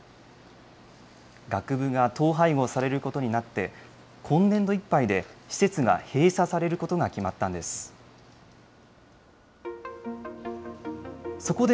学部が統廃合されることになって、今年度いっぱいで施設が閉鎖されることが決まったんです。